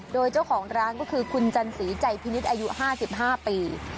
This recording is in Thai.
โดยเจ้าของร้านก็คือคุณจันสีใจพินิษฐ์อายุ๕๕ปี